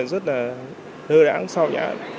rất là hơi đáng